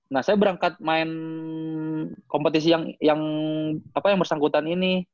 nah saya berangkat main kompetisi yang bersangkutan ini